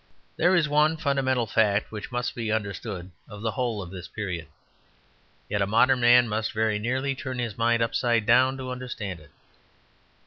There is one fundamental fact which must be understood of the whole of this period. Yet a modern man must very nearly turn his mind upside down to understand it.